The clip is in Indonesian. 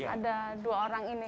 ada dua orang ini